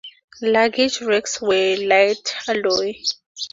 Luggage racks were light alloy.